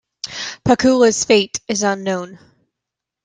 Paculla's fate is unknown.